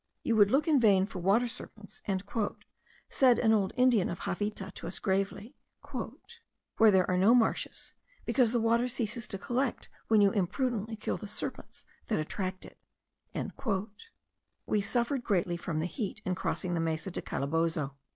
"You would look in vain for water serpents," said an old Indian of Javita to us gravely, "where there are no marshes; because the water ceases to collect when you imprudently kill the serpents that attract it." We suffered greatly from the heat in crossing the Mesa de Calabozo.